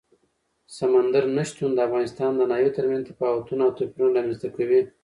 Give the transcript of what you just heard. سمندر نه شتون د افغانستان د ناحیو ترمنځ تفاوتونه او توپیرونه رامنځ ته کوي.